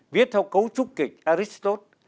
viết theo cấu trúc kịch aristotle